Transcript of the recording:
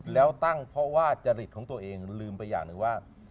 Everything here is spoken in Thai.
แล้วตั้งเพราะว่าจริตของตัวเองลืมไปอย่างหนึ่งว่า